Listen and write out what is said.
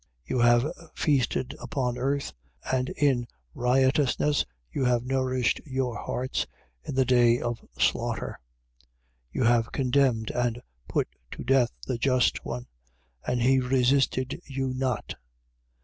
5:5. You have feasted upon earth: and in riotousness you have nourished your hearts, in the day of slaughter. 5:6. You have condemned and put to death the Just One: and he resisted you not.